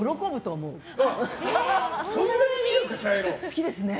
好きですね。